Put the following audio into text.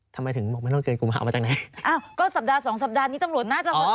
ทั้งไหนก็ไม่โน่งเกินกุมภาพันธุ์แล้วมาจากไหน